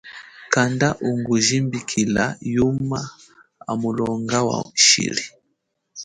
Kanda ungu jimbikila yuma hamulonga wa shili.